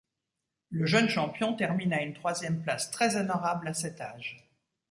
Le jeune champion termine à une troisième place très honorable à cet âge.